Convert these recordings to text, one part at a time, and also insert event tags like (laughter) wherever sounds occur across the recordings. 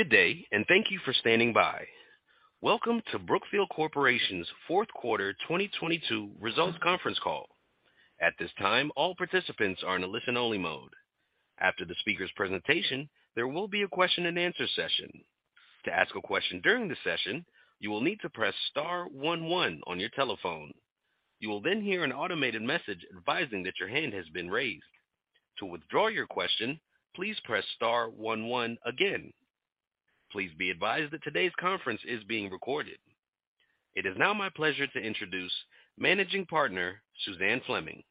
Good day, and thank you for standing by. Welcome to Brookfield Corporation's Fourth Quarter 2022 Results Conference Call. At this time, all participants are in a listen only mode. After the speaker's presentation, there will be a question-and-answer session. To ask a question during the session, you will need to press star one one on your telephone. You will then hear an automated message advising that your hand has been raised. To withdraw your question, please press star one one again. Please be advised that today's conference is being recorded. It is now my pleasure to introduce Managing Partner, Suzanne Fleming.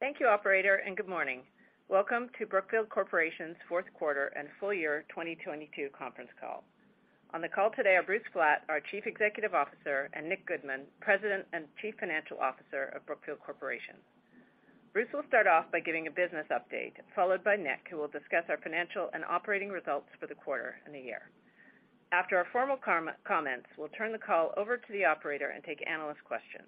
Thank you, operator, and good morning. Welcome to Brookfield Corporation's fourth quarter and full year 2022 conference call. On the call today are Bruce Flatt, our Chief Executive Officer, and Nick Goodman, President and Chief Financial Officer of Brookfield Corporation. Bruce will start off by giving a business update, followed by Nick, who will discuss our financial and operating results for the quarter and the year. After our formal comments, we'll turn the call over to the operator and take analyst questions.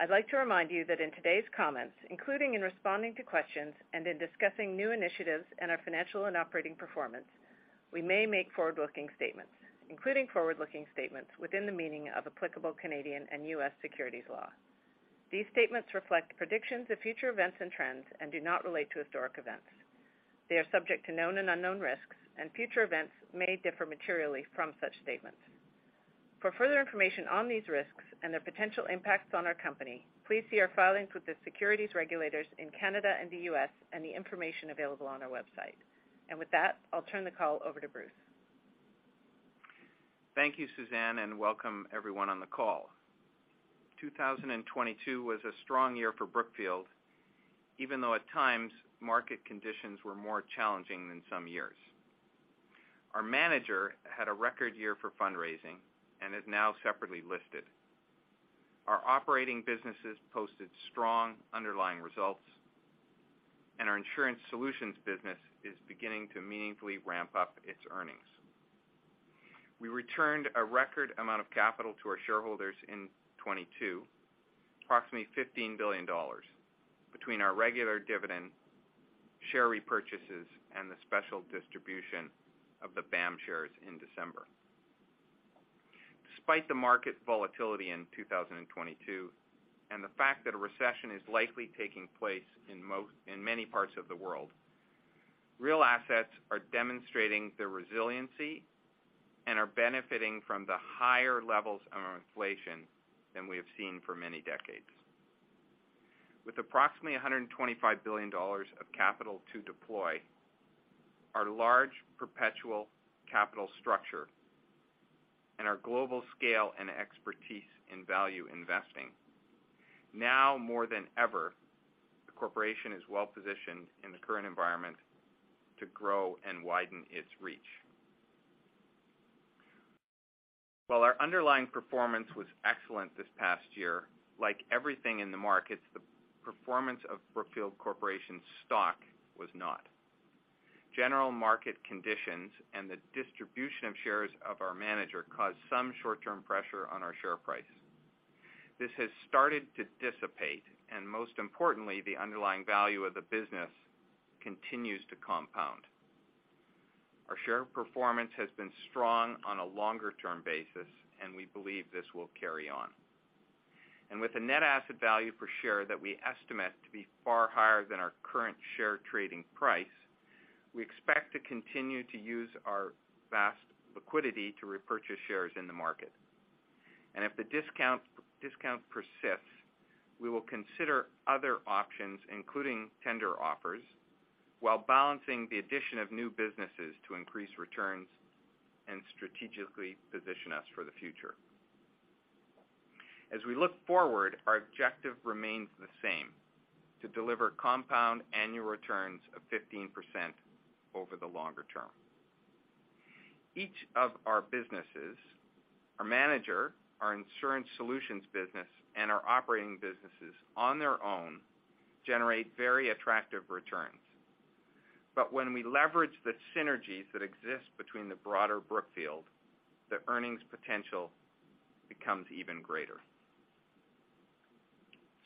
I'd like to remind you that in today's comments, including in responding to questions and in discussing new initiatives and our financial and operating performance, we may make forward-looking statements, including forward-looking statements within the meaning of applicable Canadian and U.S. securities law. These statements reflect predictions of future events and trends and do not relate to historic events. They are subject to known and unknown risks, and future events may differ materially from such statements. For further information on these risks and their potential impacts on our company, please see our filings with the securities regulators in Canada and the U.S. and the information available on our website. With that, I'll turn the call over to Bruce. Thank you, Suzanne. Welcome everyone on the call. 2022 was a strong year for Brookfield, even though at times market conditions were more challenging than some years. Our manager had a record year for fundraising and is now separately listed. Our operating businesses posted strong underlying results, and our insurance solutions business is beginning to meaningfully ramp up its earnings. We returned a record amount of capital to our shareholders in 22, approximately $15 billion between our regular dividend, share repurchases, and the special distribution of the BAM shares in December. Despite the market volatility in 2022, and the fact that a recession is likely taking place in many parts of the world, real assets are demonstrating their resiliency and are benefiting from the higher levels of inflation than we have seen for many decades. With approximately $125 billion of capital to deploy, our large perpetual capital structure, and our global scale and expertise in value investing, now more than ever, the corporation is well positioned in the current environment to grow and widen its reach. While our underlying performance was excellent this past year, like everything in the markets, the performance of Brookfield Corporation's stock was not. General market conditions and the distribution of shares of our manager caused some short-term pressure on our share price. This has started to dissipate, and most importantly, the underlying value of the business continues to compound. Our share performance has been strong on a longer-term basis, and we believe this will carry on. With a net asset value per share that we estimate to be far higher than our current share trading price, we expect to continue to use our vast liquidity to repurchase shares in the market. If the discount persists, we will consider other options, including tender offers, while balancing the addition of new businesses to increase returns and strategically position us for the future. As we look forward, our objective remains the same, to deliver compound annual returns of 15% over the longer term. Each of our businesses, our manager, our insurance solutions business, and our operating businesses on their own generate very attractive returns. When we leverage the synergies that exist between the broader Brookfield, the earnings potential becomes even greater.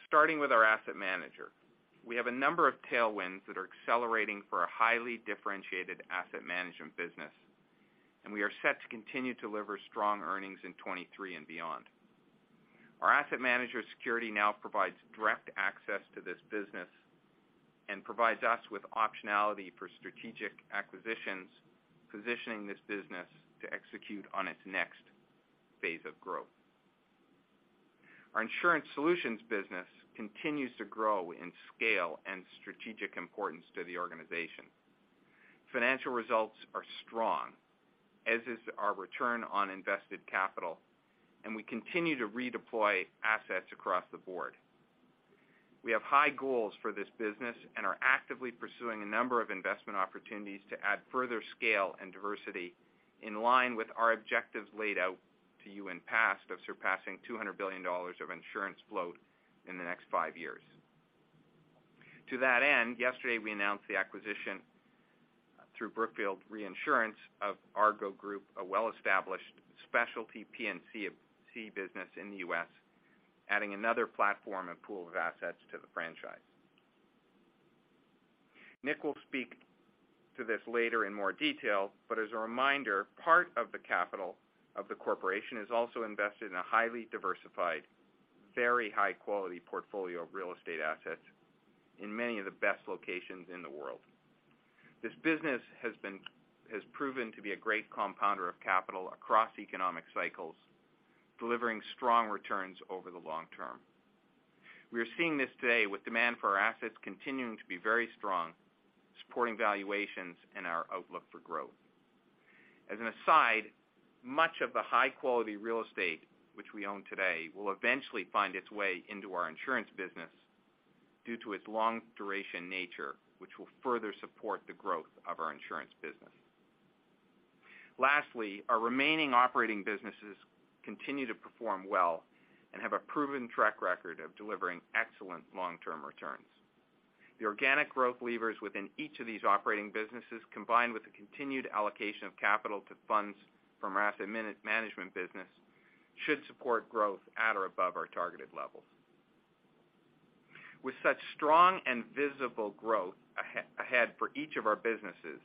Starting with our asset manager, we have a number of tailwinds that are accelerating for a highly differentiated asset management business. We are set to continue to deliver strong earnings in 23 and beyond. Our asset manager security now provides direct access to this business and provides us with optionality for strategic acquisitions, positioning this business to execute on its next phase of growth. Our insurance solutions business continues to grow in scale and strategic importance to the organization. Financial results are strong, as is our return on invested capital. We continue to redeploy assets across the board. We have high goals for this business and are actively pursuing a number of investment opportunities to add further scale and diversity in line with our objectives laid out to you in past of surpassing $200 billion of insurance float in the next five years. To that end, yesterday we announced the acquisition through Brookfield Reinsurance of Argo Group, a well-established specialty P&C business in the U.S., adding another platform and pool of assets to the franchise. Nick will speak to this later in more detail, as a reminder, part of the capital of the corporation is also invested in a highly diversified, very high quality portfolio of real estate assets in many of the best locations in the world. This business has proven to be a great compounder of capital across economic cycles, delivering strong returns over the long term. We are seeing this today with demand for our assets continuing to be very strong, supporting valuations and our outlook for growth. As an aside, much of the high quality real estate which we own today will eventually find its way into our insurance business due to its long duration nature, which will further support the growth of our insurance business. Lastly, our remaining operating businesses continue to perform well and have a proven track record of delivering excellent long-term returns. The organic growth levers within each of these operating businesses, combined with the continued allocation of capital to funds from our asset management business, should support growth at or above our targeted levels. With such strong and visible growth ahead for each of our businesses,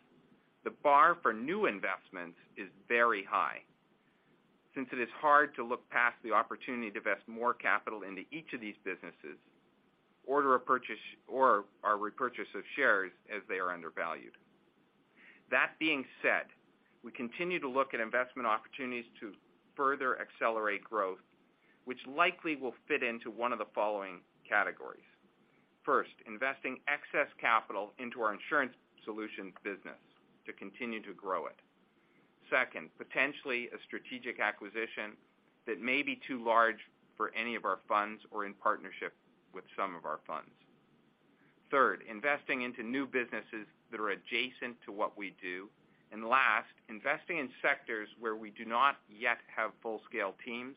the bar for new investments is very high since it is hard to look past the opportunity to invest more capital into each of these businesses or our repurchase of shares as they are undervalued. That being said, we continue to look at investment opportunities to further accelerate growth, which likely will fit into one of the following categories. First, investing excess capital into our insurance solutions business to continue to grow it. Second, potentially a strategic acquisition that may be too large for any of our funds or in partnership with some of our funds. Third, investing into new businesses that are adjacent to what we do. Last, investing in sectors where we do not yet have full-scale teams,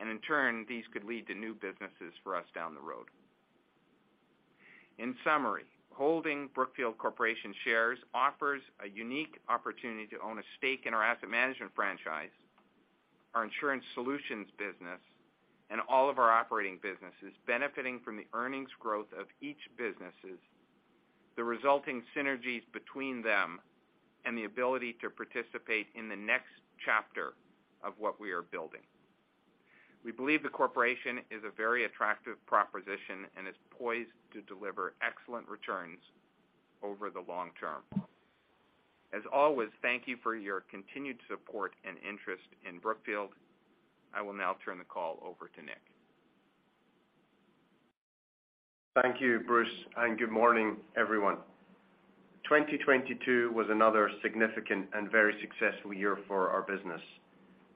and in turn, these could lead to new businesses for us down the road. In summary, holding Brookfield Corporation shares offers a unique opportunity to own a stake in our asset management franchise, our insurance solutions business, and all of our operating businesses benefiting from the earnings growth of each businesses, the resulting synergies between them, and the ability to participate in the next chapter of what we are building. We believe the corporation is a very attractive proposition and is poised to deliver excellent returns over the long term. As always, thank you for your continued support and interest in Brookfield. I will now turn the call over to Nick. Thank you, Bruce, and good morning, everyone. 2022 was another significant and very successful year for our business.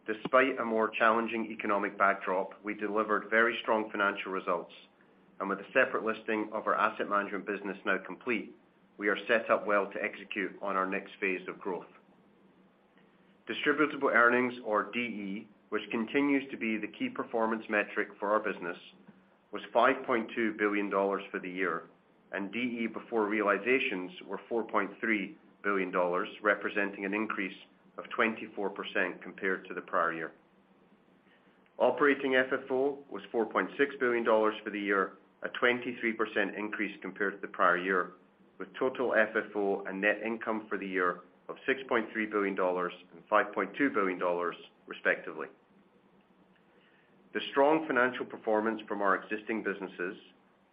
Despite a more challenging economic backdrop, we delivered very strong financial results. With the separate listing of our asset management business now complete, we are set up well to execute on our next phase of growth. Distributable Earnings or DE, which continues to be the key performance metric for our business, was $5.2 billion for the year, and DE before realizations were $4.3 billion, representing an increase of 24% compared to the prior year. Operating FFO was $4.6 billion for the year, a 23% increase compared to the prior year, with total FFO and net income for the year of $6.3 billion and $5.2 billion, respectively. The strong financial performance from our existing businesses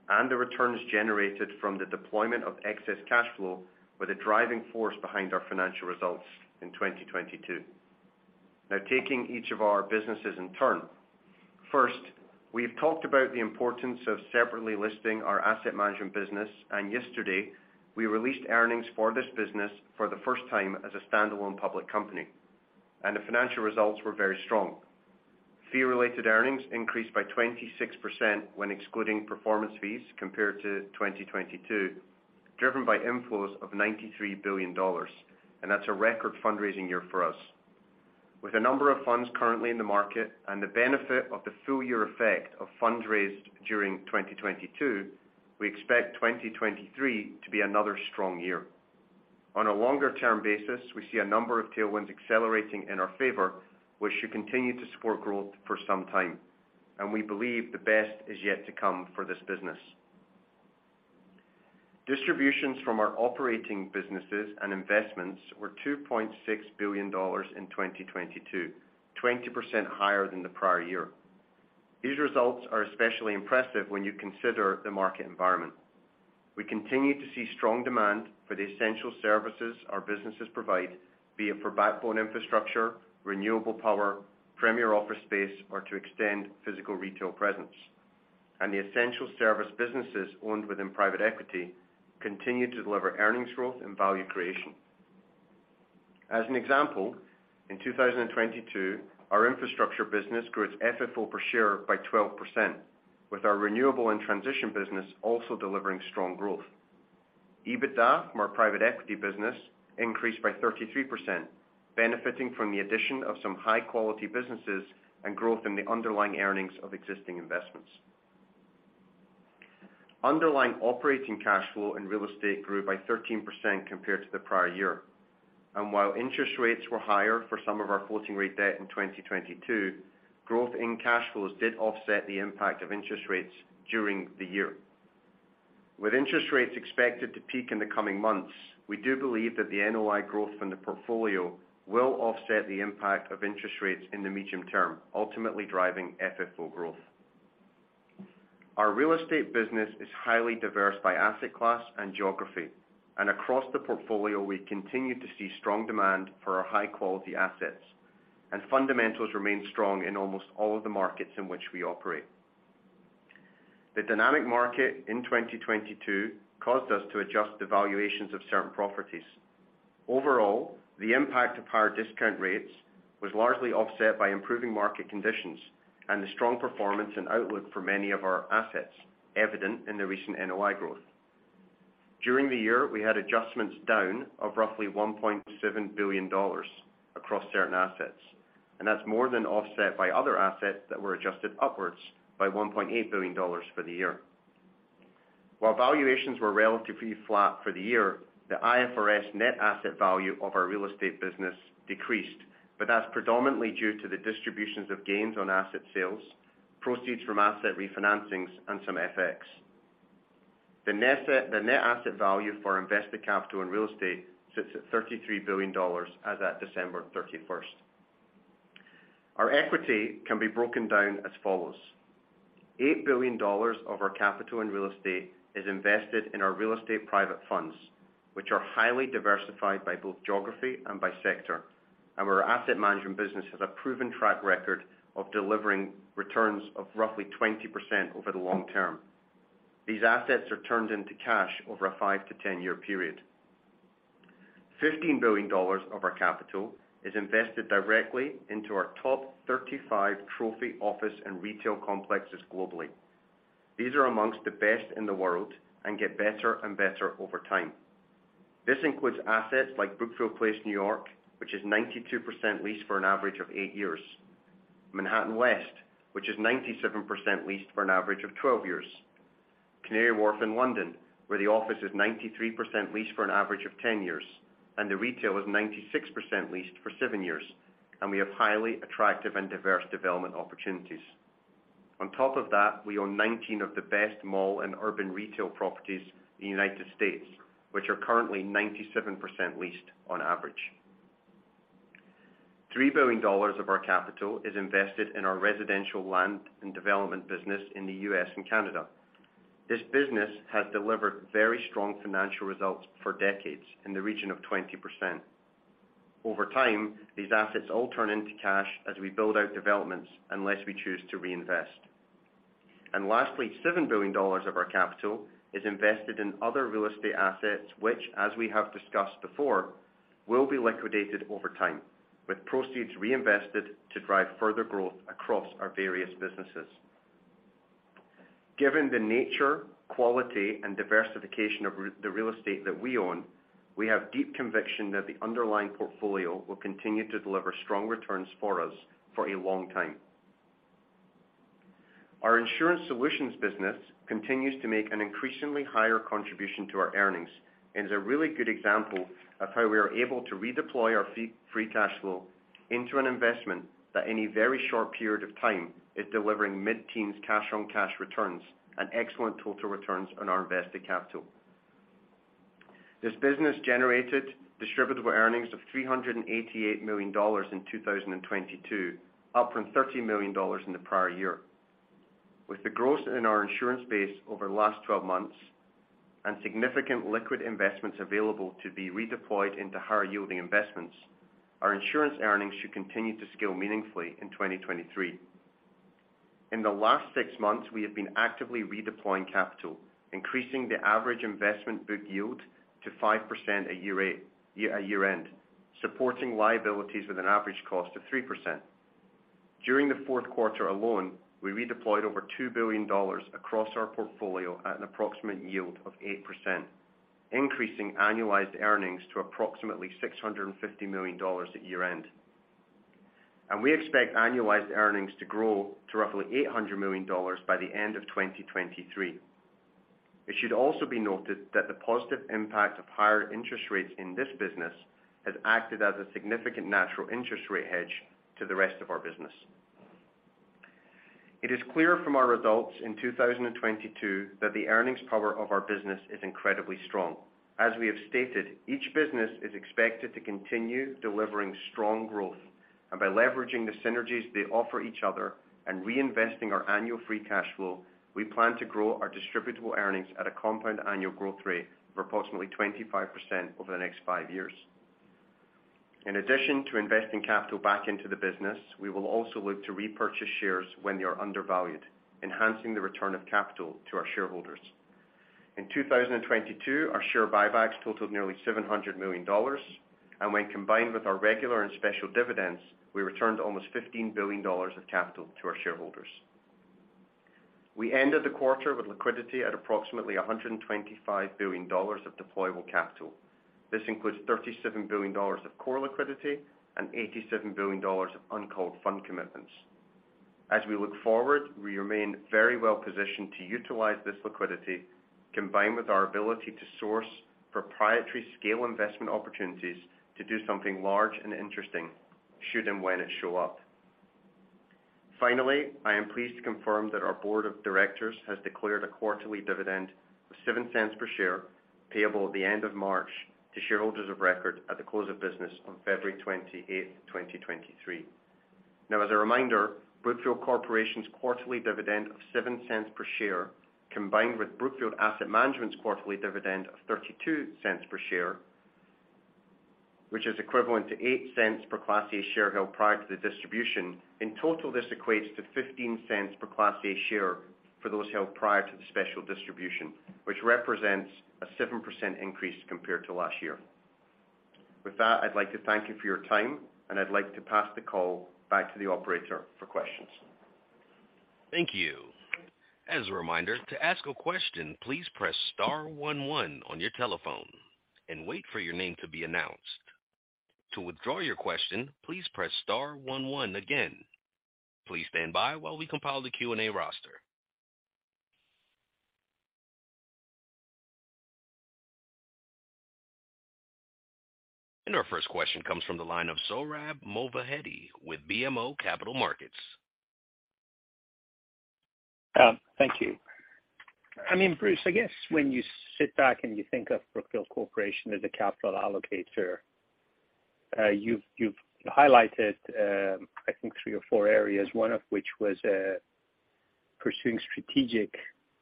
and the returns generated from the deployment of excess cash flow were the driving force behind our financial results in 2022. Taking each of our businesses in turn. First, we've talked about the importance of separately listing our asset management business. Yesterday, we released earnings for this business for the first time as a standalone public company. The financial results were very strong. Fee-related earnings increased by 26% when excluding performance fees compared to 2022, driven by inflows of $93 billion. That's a record fundraising year for us. With a number of funds currently in the market and the benefit of the full year effect of funds raised during 2022, we expect 2023 to be another strong year. On a longer-term basis, we see a number of tailwinds accelerating in our favor, which should continue to support growth for some time, and we believe the best is yet to come for this business. Distributions from our operating businesses and investments were $2.6 billion in 2022, 20% higher than the prior year. These results are especially impressive when you consider the market environment. We continue to see strong demand for the essential services our businesses provide, be it for backbone infrastructure, renewable power, premier office space, or to extend physical retail presence. The essential service businesses owned within private equity continue to deliver earnings growth and value creation. As an example, in 2022, our infrastructure business grew its FFO per share by 12%, with our renewable and transition business also delivering strong growth. EBITDA from our private equity business increased by 33%, benefiting from the addition of some high-quality businesses and growth in the underlying earnings of existing investments. Underlying operating cash flow and real estate grew by 13% compared to the prior year. While interest rates were higher for some of our floating rate debt in 2022, growth in cash flows did offset the impact of interest rates during the year. With interest rates expected to peak in the coming months, we do believe that the NOI growth from the portfolio will offset the impact of interest rates in the medium term, ultimately driving FFO growth. Our real estate business is highly diverse by asset class and geography, and across the portfolio, we continue to see strong demand for our high-quality assets, and fundamentals remain strong in almost all of the markets in which we operate. The dynamic market in 2022 caused us to adjust the valuations of certain properties. Overall, the impact of higher discount rates was largely offset by improving market conditions and the strong performance and outlook for many of our assets, evident in the recent NOI growth. During the year, we had adjustments down of roughly $1.7 billion across certain assets, that's more than offset by other assets that were adjusted upwards by $1.8 billion for the year. While valuations were relatively flat for the year, the IFRS net asset value of our real estate business decreased, that's predominantly due to the distributions of gains on asset sales, proceeds from asset refinancings, and some FX. The net asset value for invested capital and real estate sits at $33 billion as at December 31st. Our equity can be broken down as follows. $8 billion of our capital and real estate is invested in our real estate private funds, which are highly diversified by both geography and by sector, and our asset management business has a proven track record of delivering returns of roughly 20% over the long term. These assets are turned into cash over a five to 10-year period. $15 billion of our capital is invested directly into our top 35 trophy office and retail complexes globally. These are amongst the best in the world and get better and better over time. This includes assets like Brookfield Place, New York, which is 92% leased for an average of eight years. Manhattan West, which is 97% leased for an average of 12 years. Canary Wharf in London, where the office is 93% leased for an average of 10 years, and the retail is 96% leased for seven years. We have highly attractive and diverse development opportunities. On top of that, we own 19 of the best mall and urban retail properties in the United States, which are currently 97% leased on average. $3 billion of our capital is invested in our residential land and development business in the U.S. and Canada. This business has delivered very strong financial results for decades in the region of 20%. Over time, these assets all turn into cash as we build out developments unless we choose to reinvest. And lastly, $7 billion of our capital is invested in other real estate assets, which, as we have discussed before, will be liquidated over time, with proceeds reinvested to drive further growth across our various businesses. Given the nature, quality, and diversification of the real estate that we own, we have deep conviction that the underlying portfolio will continue to deliver strong returns for us for a long time. Our insurance solutions business continues to make an increasingly higher contribution to our earnings and is a really good example of how we are able to redeploy our free cash flow into an investment that in a very short period of time is delivering mid-teens cash on cash returns and excellent total returns on our invested capital. This business generated distributable earnings of $388 million in 2022, up from $30 million in the prior year. With the growth in our insurance base over the last 12 months and significant liquid investments available to be redeployed into higher-yielding investments, our insurance earnings should continue to scale meaningfully in 2023. In the last six months, we have been actively redeploying capital, increasing the average investment book yield to 5% a year end, supporting liabilities with an average cost of 3%. During the fourth quarter alone, we redeployed over $2 billion across our portfolio at an approximate yield of 8%, increasing annualized earnings to approximately $650 million at year-end. We expect annualized earnings to grow to roughly $800 million by the end of 2023. It should also be noted that the positive impact of higher interest rates in this business has acted as a significant natural interest rate hedge to the rest of our business. It is clear from our results in 2022 that the earnings power of our business is incredibly strong. By leveraging the synergies they offer each other and reinvesting our annual free cash flow, we plan to grow our distributable earnings at a compound annual growth rate of approximately 25% over the next five years. In addition to investing capital back into the business, we will also look to repurchase shares when they are undervalued, enhancing the return of capital to our shareholders. In 2022, our share buybacks totaled nearly $700 million, when combined with our regular and special dividends, we returned almost $15 billion of capital to our shareholders. We ended the quarter with liquidity at approximately $125 billion of deployable capital. This includes $37 billion of core liquidity and $87 billion of uncalled fund commitments. As we look forward, we remain very well positioned to utilize this liquidity, combined with our ability to source proprietary scale investment opportunities to do something large and interesting should and when it show up. Finally, I am pleased to confirm that our board of directors has declared a quarterly dividend of $0.07 per share, payable at the end of March to shareholders of record at the close of business on February 28, 2023. Now as a reminder, Brookfield Corporation's quarterly dividend of $0.07 per share, combined with Brookfield Asset Management's quarterly dividend of $0.32 per share, which is equivalent to $0.08 per Class A share held prior to the distribution. In total, this equates to $0.15 per Class A share for those held prior to the special distribution, which represents a 7% increase compared to last year. With that, I'd like to thank you for your time, and I'd like to pass the call back to the operator for questions. Thank you. As a reminder, to ask a question, please press star one one on your telephone and wait for your name to be announced. To withdraw your question, please press star one one again. Please stand by while we compile the Q&A roster. Our first question comes from the line of Sohrab Movahedi with BMO Capital Markets. Thank you. I mean, Bruce, I guess when you sit back and you think of Brookfield Corporation as a capital allocator, you've highlighted, I think three or four areas, one of which was pursuing strategic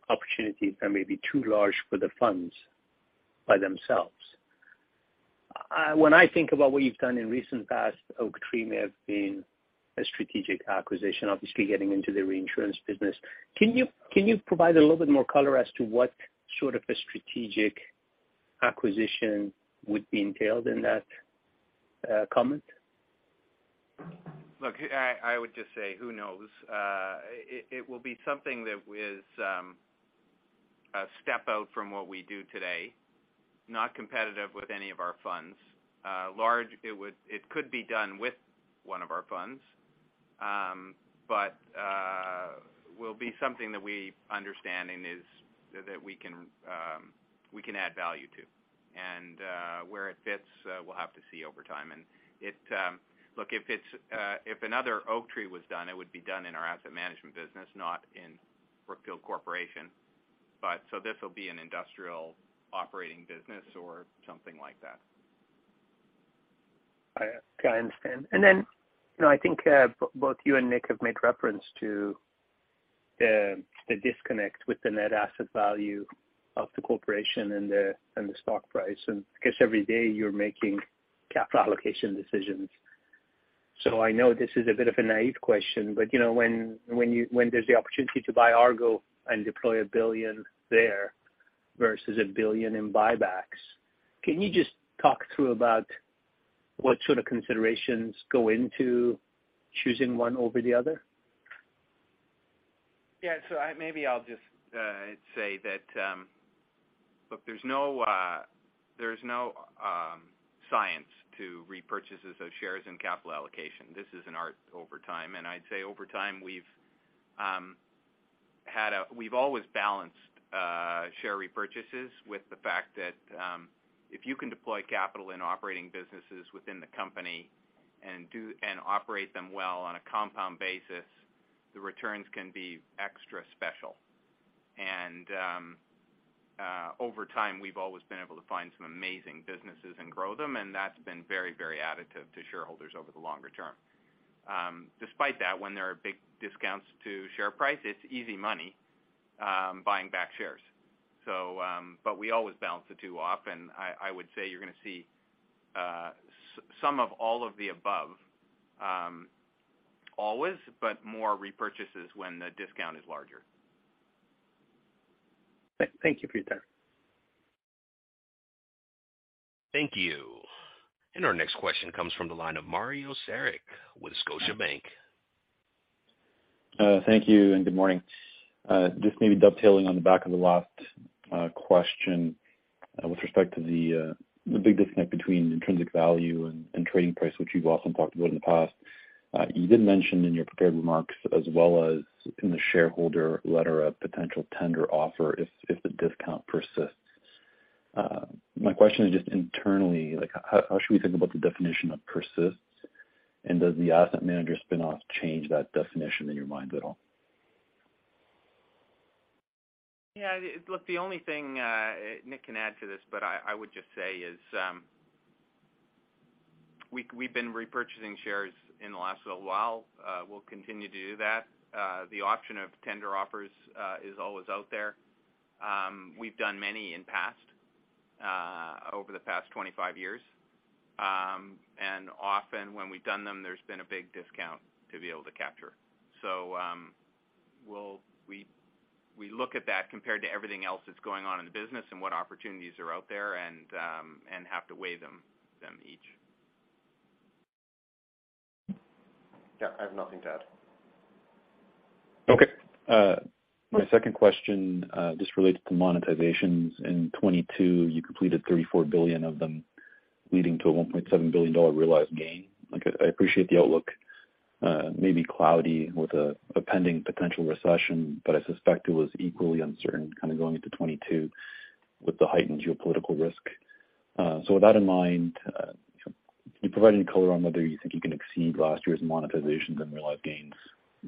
opportunities that may be too large for the funds by themselves. When I think about what you've done in recent past, Oaktree may have been a strategic acquisition, obviously getting into the reinsurance business. Can you provide a little bit more color as to what sort of a strategic acquisition would be entailed in that comment? Look, I would just say, who knows? It will be something that is a step out from what we do today, not competitive with any of our funds. Large, it could be done with one of our funds. But will be something that we understanding is that we can add value to. Where it fits, we'll have to see over time. And it Look, if it's if another Oaktree was done, it would be done in our asset management business, not in Brookfield Corporation. This will be an industrial operating business or something like that. I understand. You know, I think, both you and Nick have made reference to, the disconnect with the net asset value of the corporation and the stock price. I guess every day you're making capital allocation decisions. I know this is a bit of a naive question, but you know, when there's the opportunity to buy Argo and deploy $1 billion there versus $1 billion in buybacks, can you just talk through about what sort of considerations go into choosing one over the other? Yeah. I maybe I'll just say that, look, there's no, there's no science to repurchases of shares and capital allocation. This is an art over time. I'd say over time, we've always balanced share repurchases with the fact that, if you can deploy capital in operating businesses within the company and operate them well on a compound basis, the returns can be extra special. Over time, we've always been able to find some amazing businesses and grow them, and that's been very, very additive to shareholders over the longer term. Despite that, when there are big discounts to share price, it's easy money, buying back shares. So but we always balance the two off, and I would say you're gonna see some of all of the above, always, but more repurchases when the discount is larger. Thank you for your time. Thank you. Our next question comes from the line of Mario Saric with Scotiabank. Thank you, and good morning. Just maybe dovetailing on the back of the last question, with respect to the big disconnect between intrinsic value and trading price, which you've also talked about in the past. You did mention in your prepared remarks as well as in the shareholder letter a potential tender offer if the discount persists. My question is just internally, like how should we think about the definition of persists? Does the asset manager spinoff change that definition in your mind at all? Yeah, look, the only thing Nick can add to this, but I would just say is, we've been repurchasing shares in the last little while. We'll continue to do that. The option of tender offers is always out there. We've done many in past over the past 25 years. Often when we've done them, there's been a big discount to be able to capture. We look at that compared to everything else that's going on in the business and what opportunities are out there and have to weigh them each. Yeah, I have nothing to add. Okay. My second question, just related to monetizations. In 2022, you completed $34 billion of them, leading to a $1.7 billion realized gain. Look, I appreciate the outlook may be cloudy with a pending potential recession, I suspect it was equally uncertain kind of going into 2022 with the heightened geopolitical risk. With that in mind, can you provide any color on whether you think you can exceed last year's monetizations and realized gains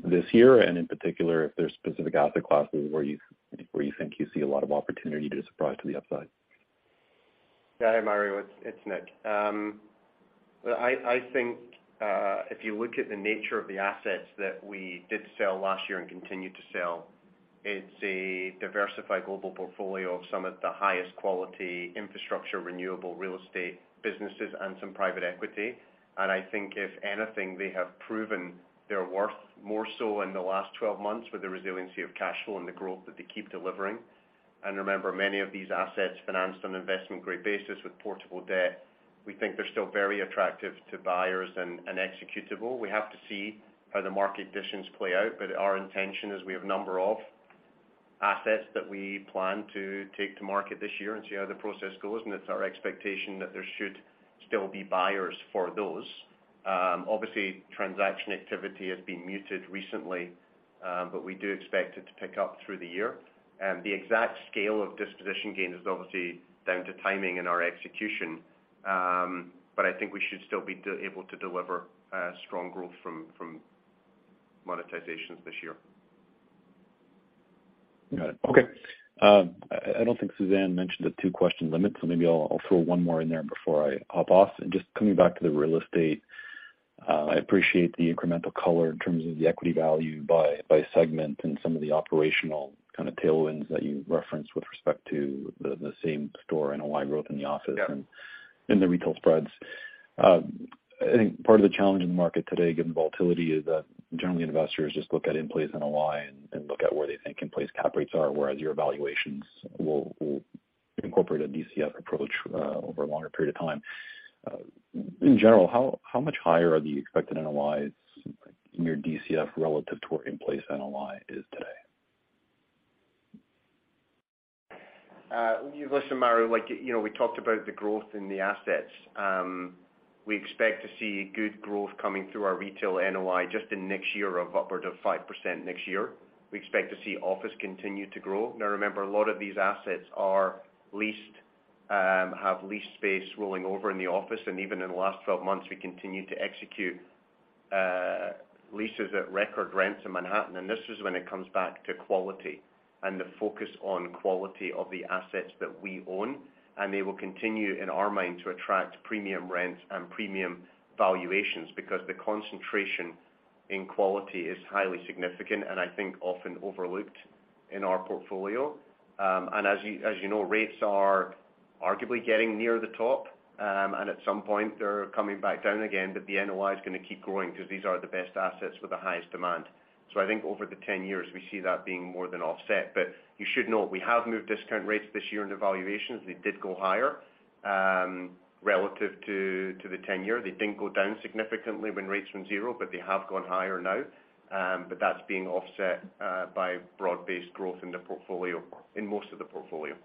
this year, and in particular, if there's specific asset classes where you think you see a lot of opportunity to surprise to the upside? Yeah. Mario, it's Nick. Well, I think if you look at the nature of the assets that we did sell last year and continue to sell, it's a diversified global portfolio of some of the highest quality infrastructure, renewable real estate businesses and some private equity. I think if anything, they have proven their worth more so in the last 12 months with the resiliency of cash flow and the growth that they keep delivering. Remember, many of these assets financed on an investment grade basis with portable debt. We think they're still very attractive to buyers and executable. We have to see how the market conditions play out, but our intention is we have a number of assets that we plan to take to market this year and see how the process goes. It's our expectation that there should still be buyers for those. Obviously, transaction activity has been muted recently, but we do expect it to pick up through the year. The exact scale of disposition gain is obviously down to timing and our execution. But I think we should still be able to deliver strong growth from monetization this year. Got it. Okay. I don't think Suzanne mentioned the two-question limit, so maybe I'll throw one more in there before I hop off. Just coming back to the real estate, I appreciate the incremental color in terms of the equity value by segment and some of the operational kind of tailwinds that you referenced with respect to the same store NOI growth in the office in the retail spreads. I think part of the challenge in the market today, given the volatility, is that generally investors just look at in-place NOI and look at where they think in-place cap rates are, whereas your valuations will incorporate a DCF approach over a longer period of time. In general, how much higher are the expected NOIs in your DCF relative to where in-place NOI is today? Listen, Mario, like, you know, we talked about the growth in the assets. We expect to see good growth coming through our retail NOI just in next year of upward of 5% next year. We expect to see office continue to grow. Now remember, a lot of these assets are leased, have leased space rolling over in the office. Even in the last 12 months, we continued to execute leases at record rents in Manhattan. This is when it comes back to quality and the focus on quality of the assets that we own. They will continue in our mind to attract premium rents and premium valuations because the concentration in quality is highly significant and I think often overlooked in our portfolio. As you know, rates are arguably getting near the top, and at some point they're coming back down again, but the NOI is gonna keep growing because these are the best assets with the highest demand. I think over the 10 years we see that being more than offset. You should know we have moved discount rates this year in the valuations. They did go higher, relative to the 10-year. They did go down significantly when rates were zero, but they have gone higher now. That's being offset by broad-based growth in the portfolio, in most of the portfolio.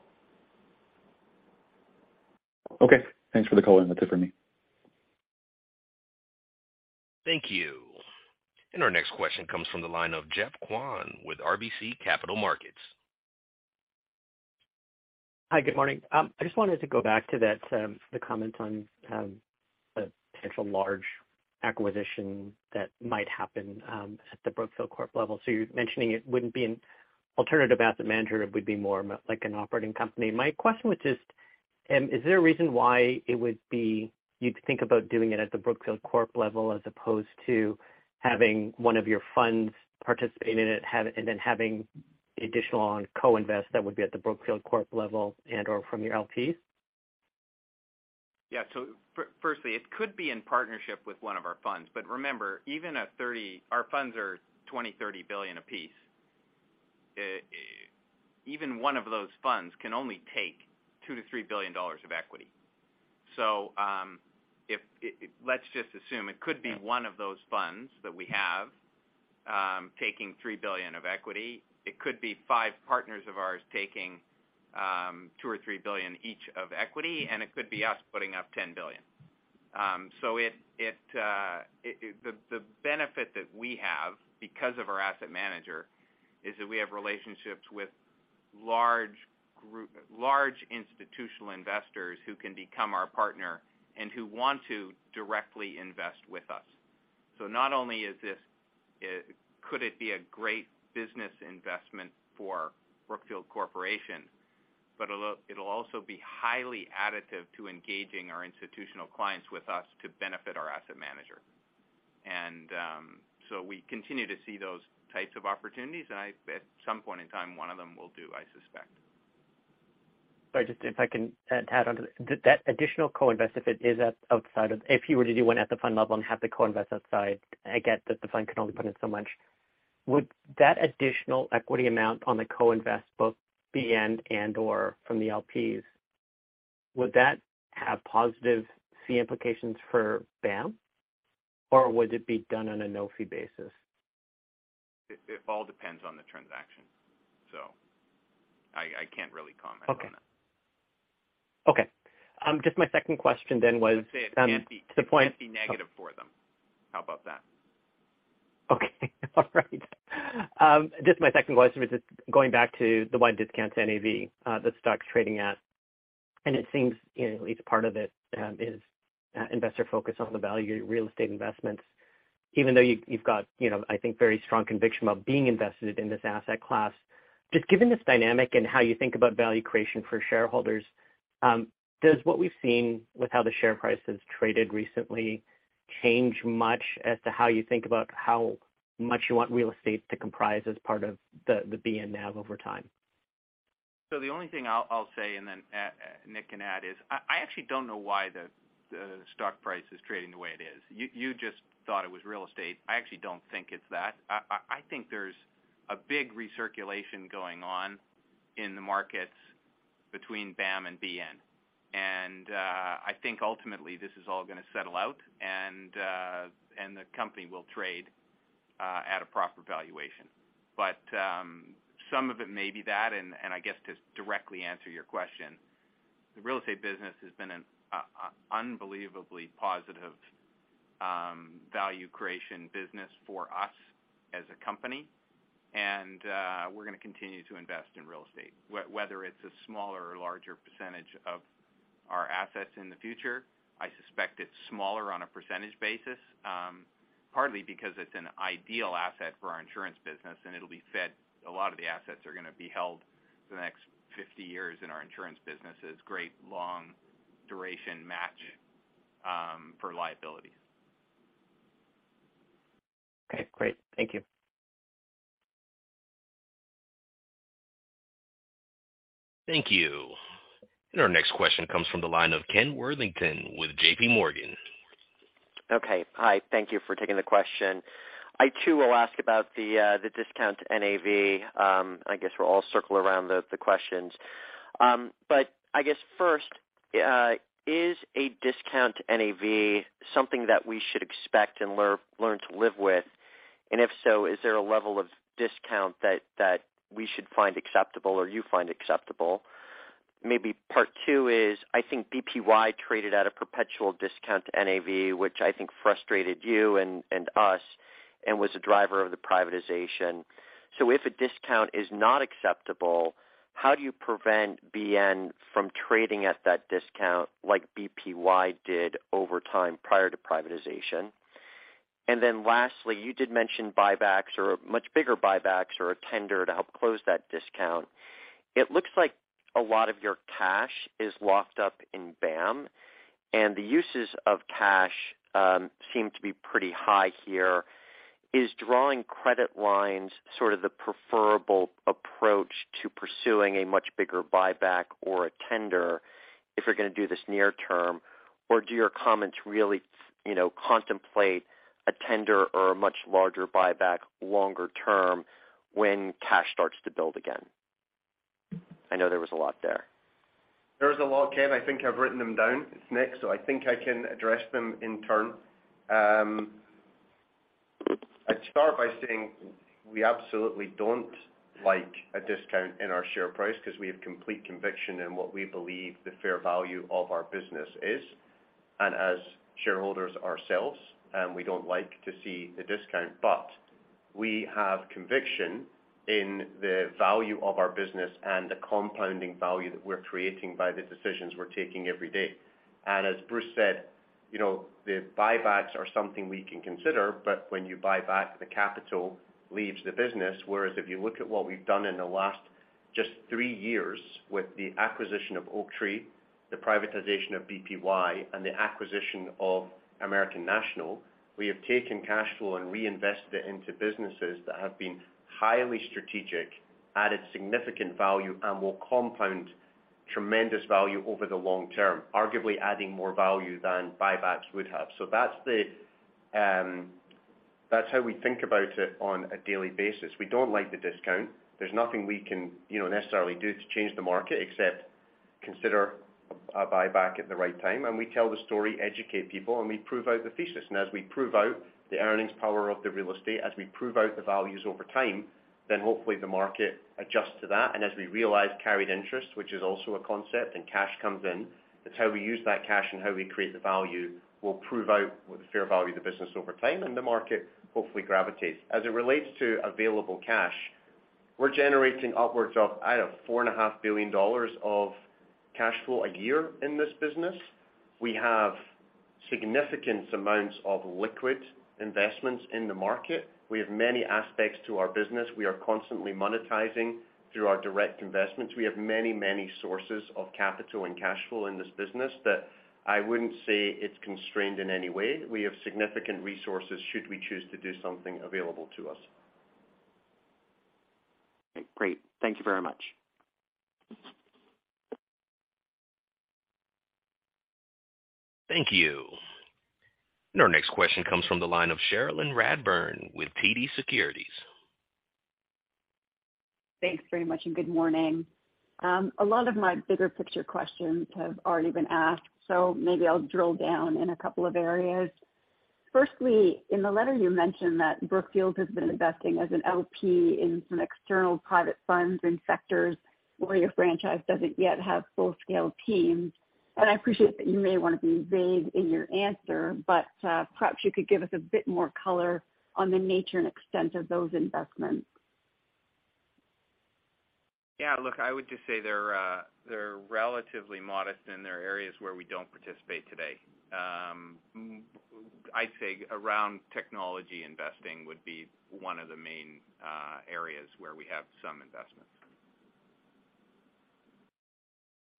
Okay. Thanks for the color. That's it for me. Thank you. Our next question comes from the line of Geoff Kwan with RBC Capital Markets. Hi, good morning. I just wanted to go back to that, the comment on, a potential large acquisition that might happen, at the Brookfield Corp level. You're mentioning it wouldn't be an alternative asset manager, it would be more like an operating company. My question was just, is there a reason why it would be you'd think about doing it at the Brookfield Corp level as opposed to having one of your funds participate in it, and then having additional on co-invest that would be at the Brookfield Corp level and/or from your LPs? Firstly, it could be in partnership with one of our funds. Remember, even our funds are $20 billion, $30 billion a piece. Even one of those funds can only take $2 billion-$3 billion of equity. Let's just assume it could be one of those funds that we have, taking $3 billion of equity. It could be five partners of ours taking, $2 billion or $3 billion each of equity, and it could be us putting up $10 billion. The benefit that we have because of our asset manager is that we have relationships with large institutional investors who can become our partner and who want to directly invest with us. Not only is this, could it be a great business investment for Brookfield Corporation, but it'll also be highly additive to engaging our institutional clients with us to benefit our asset manager. We continue to see those types of opportunities. At some point in time, one of them will do, I suspect. Sorry, just if I can add. That additional co-invest, if it is at outside if you were to do one at the fund level and have the co-invest outside, I get that the fund can only put in so much. Would that additional equity amount on the co-invest both be and/or from the LPs, would that have positive fee implications for BAM or would it be done on a no-fee basis? It all depends on the transaction. I can't really comment on that. Okay. Okay. just my second question then was, to the point. (crosstalk) negative for them. How about that? Okay. All right. Just my second question was just going back to the wide discount to NAV, the stock's trading at. It seems, you know, at least part of it, is investor focus on the value real estate investments, even though you've got, you know, I think very strong conviction about being invested in this asset class. Just given this dynamic and how you think about value creation for shareholders, does what we've seen with how the share price has traded recently change much as to how you think about how much you want real estate to comprise as part of the BN NAV over time? The only thing I'll say, and then Nick can add, is I actually don't know why the stock price is trading the way it is. You just thought it was real estate. I actually don't think it's that. I think there's a big recirculation going on in the markets between BAM and BN. I think ultimately this is all gonna settle out and the company will trade at a proper valuation. Some of it may be that and I guess to directly answer your question, the real estate business has been an unbelievably positive value creation business for us as a company. We're gonna continue to invest in real estate. Whether it's a smaller or larger percentage of our assets in the future, I suspect it's smaller on a percentage basis, partly because it's an ideal asset for our insurance business, and it'll be fed. A lot of the assets are gonna be held for the next 50 years in our insurance business as great long duration match for liabilities. Okay, great. Thank you. Thank you. Our next question comes from the line of Ken Worthington with JPMorgan. Okay. Hi, thank you for taking the question. I too will ask about the discount to NAV. I guess we'll all circle around the questions. I guess first, is a discount to NAV something that we should expect and learn to live with? If so, is there a level of discount that we should find acceptable or you find acceptable? Maybe part two is, I think BPY traded at a perpetual discount to NAV, which I think frustrated you and us, and was a driver of the privatization. If a discount is not acceptable, how do you prevent BN from trading at that discount like BPY did over time prior to privatization? Lastly, you did mention buybacks or much bigger buybacks or a tender to help close that discount. It looks like a lot of your cash is locked up in BAM, and the uses of cash seem to be pretty high here. Is drawing credit lines sort of the preferable approach to pursuing a much bigger buyback or a tender if you're gonna do this near term? Do your comments really, you know, contemplate a tender or a much larger buyback longer term when cash starts to build again? I know there was a lot there. There's a lot, Ken. I think I've written them down. It's Nick, so I think I can address them in turn. I'd start by saying we absolutely don't like a discount in our share price because we have complete conviction in what we believe the fair value of our business is. As shareholders ourselves, we don't like to see the discount, but we have conviction in the value of our business and the compounding value that we're creating by the decisions we're taking every day. As Bruce said, you know, the buybacks are something we can consider, but when you buy back, the capital leaves the business. If you look at what we've done in the last just three years with the acquisition of Oaktree, the privatization of BPY, and the acquisition of American National, we have taken cash flow and reinvested it into businesses that have been highly strategic, added significant value, and will compound tremendous value over the long term, arguably adding more value than buybacks would have. That's how we think about it on a daily basis. We don't like the discount. There's nothing we can, you know, necessarily do to change the market except consider a buyback at the right time. We tell the story, educate people, and we prove out the thesis. As we prove out the earnings power of the real estate, as we prove out the values over time, hopefully the market adjusts to that. As we realize carried interest, which is also a concept, and cash comes in, it's how we use that cash and how we create the value will prove out with the fair value of the business over time, and the market hopefully gravitates. As it relates to available cash, we're generating upwards of, I don't know, four and a half billion dollars of cash flow a year in this business. We have significant amounts of liquid investments in the market. We have many aspects to our business. We are constantly monetizing through our direct investments. We have many, many sources of capital and cash flow in this business that I wouldn't say it's constrained in any way. We have significant resources should we choose to do something available to us. Okay, great. Thank you very much. Thank you. Our next question comes from the line of Cherilyn Radbourne with TD Securities. Thanks very much. Good morning. A lot of my bigger picture questions have already been asked. Maybe I'll drill down in a couple of areas. Firstly, in the letter you mentioned that Brookfield has been investing as an LP in some external private funds and sectors where your franchise doesn't yet have full-scale teams. I appreciate that you may wanna be vague in your answer, but perhaps you could give us a bit more color on the nature and extent of those investments. Yeah. Look, I would just say they're relatively modest, and they're areas where we don't participate today. I'd say around technology investing would be one of the main areas where we have some investments.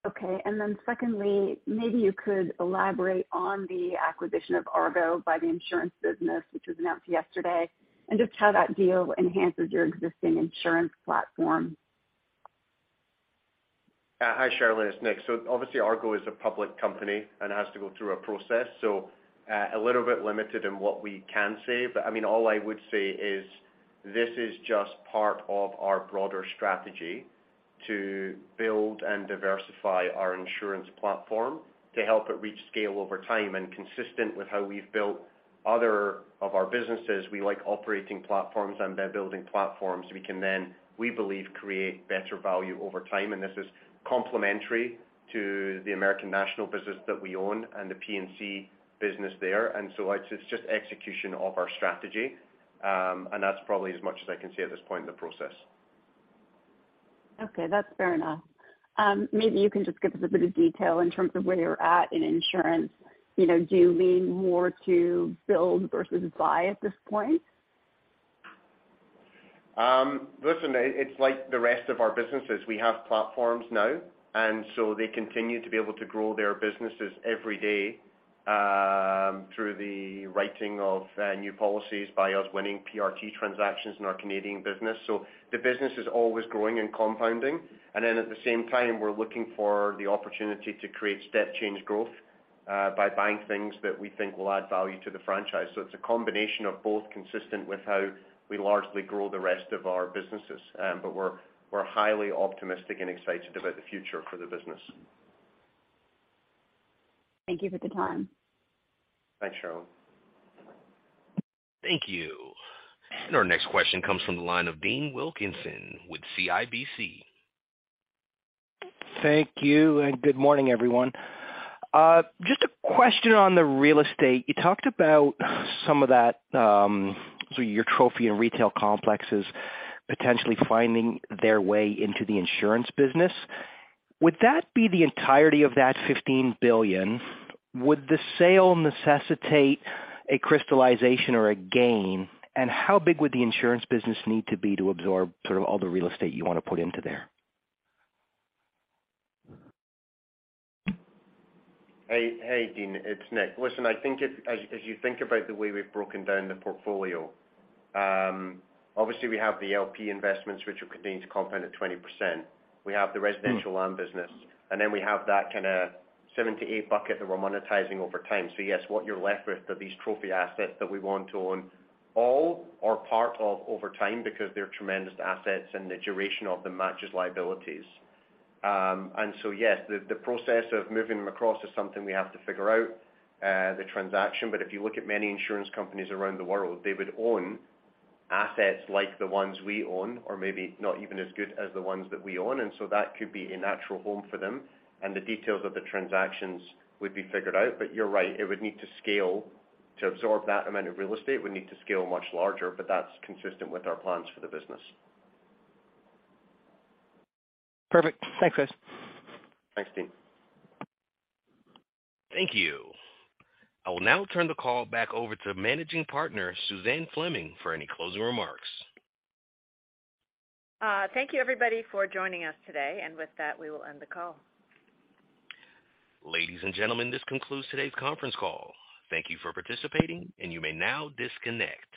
Okay. Secondly, maybe you could elaborate on the acquisition of Argo by the insurance business, which was announced yesterday and just how that deal enhances your existing insurance platform. Hi, Cherilyn, it's Nick. Obviously, Argo is a public company and has to go through a process, so a little bit limited in what we can say. I mean, all I would say is this is just part of our broader strategy to build and diversify our insurance platform to help it reach scale over time. Consistent with how we've built other of our businesses, we like operating platforms and then building platforms we can then, we believe, create better value over time. This is complementary to the American National business that we own and the P&C business there. It's just execution of our strategy, and that's probably as much as I can say at this point in the process. That's fair enough. Maybe you can just give us a bit of detail in terms of where you're at in insurance. You know, do you lean more to build versus buy at this point? Listen, it's like the rest of our businesses. We have platforms now. They continue to be able to grow their businesses every day, through the writing of new policies by us winning PRT transactions in our Canadian business. The business is always growing and compounding. At the same time, we're looking for the opportunity to create step change growth, by buying things that we think will add value to the franchise. It's a combination of both consistent with how we largely grow the rest of our businesses. We're highly optimistic and excited about the future for the business. Thank you for the time. Thanks, Cherilyn. Thank you. Our next question comes from the line of Dean Wilkinson with CIBC. Thank you, good morning, everyone. Just a question on the real estate. You talked about some of that, so your trophy and retail complexes potentially finding their way into the insurance business. Would that be the entirety of that $15 billion? Would the sale necessitate a crystallization or a gain? How big would the insurance business need to be to absorb all the real estate you wanna put into there? Hey, Dean. It's Nick. Listen, I think as you think about the way we've broken down the portfolio, obviously we have the LP investments which are continuing to compound at 20%. We have the residential land business. Then we have that kinda seven to eight bucket that we're monetizing over time. Yes, what you're left with are these trophy assets that we want to own all or part of over time because they're tremendous assets and the duration of them matches liabilities. Yes, the process of moving them across is something we have to figure out the transaction. If you look at many insurance companies around the world, they would own assets like the ones we own or maybe not even as good as the ones that we own, and so that could be a natural home for them, and the details of the transactions would be figured out. You're right, it would need to scale. To absorb that amount of real estate, we need to scale much larger, but that's consistent with our plans for the business. Perfect. Thanks, Nick. Thanks, Dean. Thank you. I will now turn the call back over to Managing Partner, Suzanne Fleming, for any closing remarks. Thank you, everybody, for joining us today. With that, we will end the call. Ladies and gentlemen, this concludes today's conference call. Thank you for participating, and you may now disconnect.